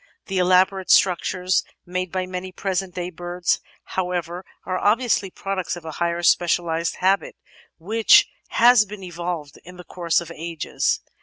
The elaborate structures made by many present day birds, how ever, are obviously products of a highly specialised habit which has been evolved in the course of ages.